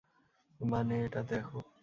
মানে, এটা দেখো!